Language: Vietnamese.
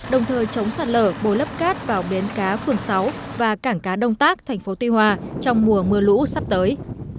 đồng thời chống sạt lở bổ lắp cát vào bến cá phường sáu và cảng cá đông tắc thành phố tuy hòa trong mùa mưa lũ sắp tới